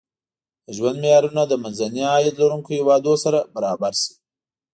د ژوند معیارونه د منځني عاید لرونکو هېوادونو سره برابر شي.